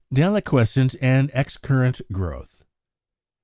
63. =Deliquescent and Excurrent Growth.